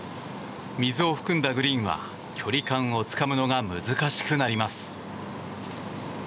水を含んだグリーンは距離感をつかむのが難しくなります。